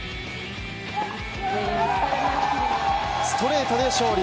ストレートで勝利。